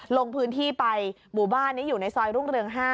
ลงพื้นที่ไปหมู่บ้านนี้อยู่ในซอยรุ่งเรือง๕